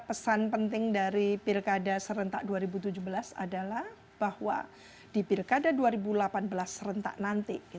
pesan penting dari pilkada serentak dua ribu tujuh belas adalah bahwa di pilkada dua ribu delapan belas serentak nanti